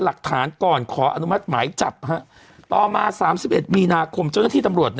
หลักฐานก่อนขออนุมัติหมายจับต่อมา๓๑มีนาคมเจ้าหน้าที่ตำรวจ